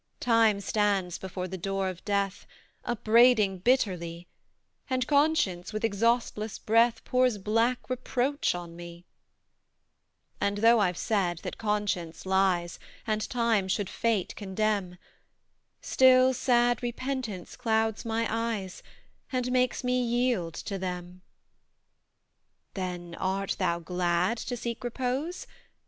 "Time stands before the door of Death, Upbraiding bitterly And Conscience, with exhaustless breath, Pours black reproach on me: "And though I've said that Conscience lies And Time should Fate condemn; Still, sad Repentance clouds my eyes, And makes me yield to them! "Then art thou glad to seek repose?